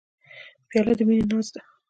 پیاله د مینې ناز ده.